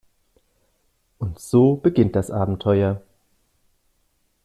Und so beginnt das Abenteuer.